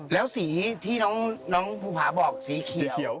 แล้วสีที่น้องภูผาบอกสีเขียว